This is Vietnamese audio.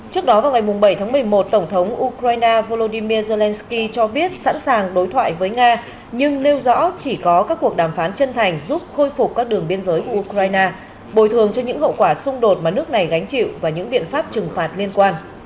trước đó vào ngày bảy tháng một mươi một tổng thống ukraine volodymyr zelensky cho biết sẵn sàng đối thoại với nga nhưng nêu rõ chỉ có các cuộc đàm phán chân thành giúp khôi phục các đường biên giới của ukraine bồi thường cho những hậu quả xung đột mà nước này gánh chịu và những biện pháp trừng phạt liên quan